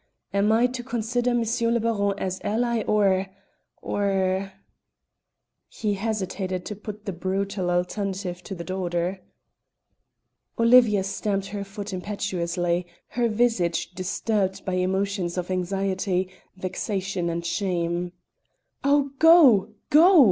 Am I to consider M. le Baron as ally or or or " He hesitated to put the brutal alternative to the daughter. Olivia stamped her foot impetuously, her visage disturbed by emotions of anxiety, vexation, and shame. "Oh, go! go!"